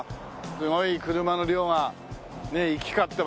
すごい車の量が行き交ってますよね。